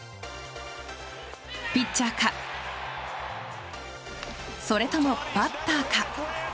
ピッチャーかそれともバッターか。